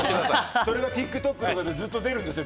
それがＴｉｋＴｏｋとかでずっと出るんですよ。